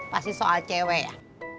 pasti soal cewek ya